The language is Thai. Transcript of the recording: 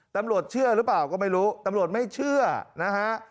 ตำรวจเชื่อหรือเปล่าก็ไม่รู้ตำรวจไม่เชื่อนะฮะ